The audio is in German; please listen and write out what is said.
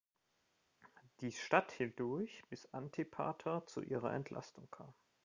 Die Stadt hielt durch, bis Antipater zu ihrer Entlastung kam.